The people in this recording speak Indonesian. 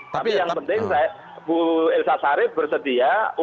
tapi yang penting saya bu elsa sarif bersedia